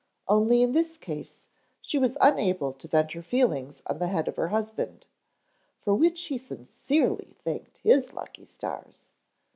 Only in this case she was unable to vent her feelings on the head of her husband, for which he sincerely thanked his lucky stars.